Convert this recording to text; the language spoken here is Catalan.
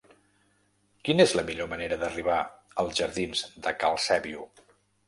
Quina és la millor manera d'arribar als jardins de Cal Sèbio?